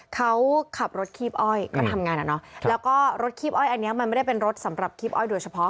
เขาขับรถคีบอ้อยก็ทำงานอ่ะเนอะแล้วก็รถคีบอ้อยอันนี้มันไม่ได้เป็นรถสำหรับคีบอ้อยโดยเฉพาะ